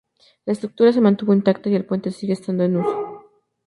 La estructura se mantuvo intacta y el puente sigue estando en uso.